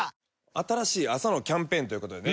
新しい朝のキャンペーンということでね